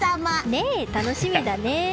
ねえ、楽しみだね！